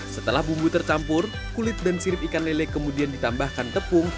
setelah bumbu tercampur kulit dan sirip ikan lele kemudian ditambahkan tepung